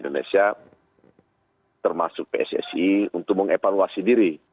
dan sepabrikasi bola indonesia termasuk pssi untuk mengevaluasi diri